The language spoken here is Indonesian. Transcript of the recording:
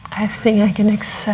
cara pemangku noara